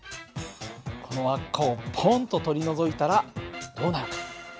この輪っかをポンと取り除いたらどうなるか。